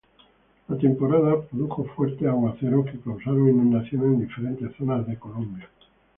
La temporada produjo fuertes aguaceros que causaron inundaciones en diferentes zonas de Colombia.